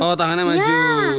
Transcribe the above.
oh tangannya maju